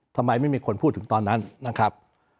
ทำไมไม่มีคนพูดถึงตอนนั้นนะครับ